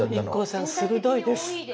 ＩＫＫＯさん鋭いです！